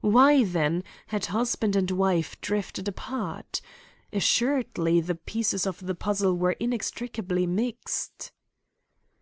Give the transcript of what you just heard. Why, then, had husband and wife drifted apart? Assuredly the pieces of the puzzle were inextricably mixed.